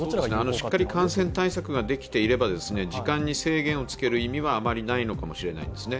しっかり感染対策ができていれば、時間に制限をつける意味はあまりないのかもしれないですね。